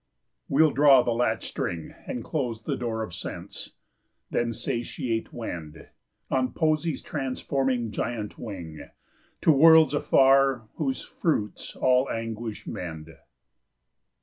We'll draw the latch string And close the door of sense; then satiate wend, On poesy's transforming giant wing, To worlds afar whose fruits all anguish mend.